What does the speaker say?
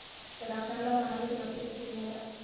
بدخشان د افغانانو د معیشت سرچینه ده.